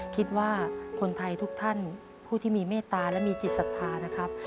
คิดว่าคนไทยทุกท่านผู้ที่มีเมตตาและมีจิตศรัทธานะครับ